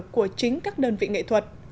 của chính các đơn vị nghệ thuật